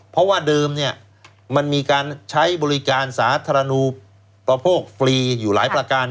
เพราะว่าเดิมเนี่ยมันมีการใช้บริการสาธารณูประโภคฟรีอยู่หลายประการ